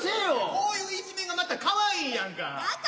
こういう一面がまたかわいいやんか。